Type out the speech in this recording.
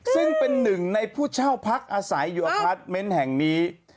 ซึ่งเป็นหนึ่งในผู้เช่าพักอาศัยอยู่อพาร์ทเมนต์แห่งนี้